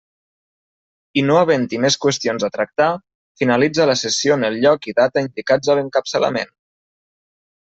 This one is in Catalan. I no havent-hi més qüestions a tractar, finalitza la sessió en el lloc i data indicats a l'encapçalament.